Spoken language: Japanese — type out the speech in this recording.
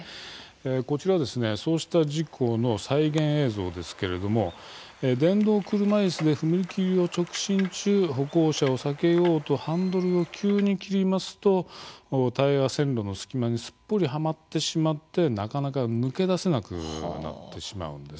こちらは、そうした事故の再現映像ですけれども電動車いすで踏切を直進中歩行者を避けようとハンドルを急に切りますとタイヤが線路の隙間にすっぽりはまってしまいましてなかなか抜け出せなくなってしまうんです。